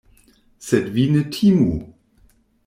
Sed vi ne timu!